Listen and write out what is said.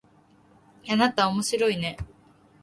あなたおもしろいね